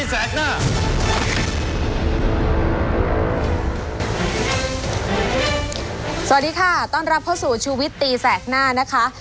สวัสดีค่ะต้อนรับเข้าสู่ชูวิตตีแสกหน้านะคะ